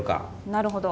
なるほど。